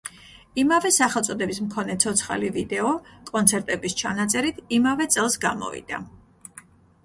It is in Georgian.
იმავე სახელწოდების მქონე ცოცხალი ვიდეო, კონცერტების ჩანაწერით, იმავე წელს გამოვიდა.